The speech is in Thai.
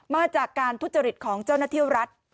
มาจากการทุจริตของเจ้าหน้าที่รัฐ